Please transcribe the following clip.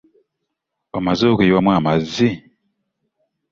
Omaze okuyiwamu amazzi?